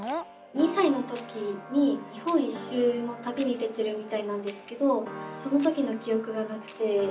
２さいの時に日本一周のたびに出てるみたいなんですけどその時のきおくがなくて。